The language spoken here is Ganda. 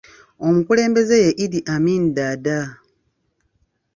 Omukulembeze ye Idi Amini Daada.